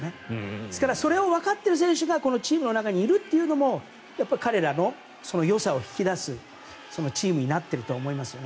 ですからそれをわかっている選手がチームにいるということも彼らのよさを引き出すチームになっているとは思いますよね。